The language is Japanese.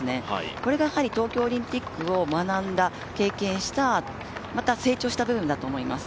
これがやはり東京オリンピックを学んだ、経験した、また成長した部分だと思います。